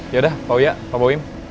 yaudah pak uya pak boim